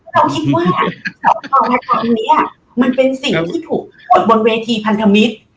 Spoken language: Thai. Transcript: เราคิดว่าสังคมนี้มันเป็นสิ่งที่ถูกกดบนเวทีพันธมิตร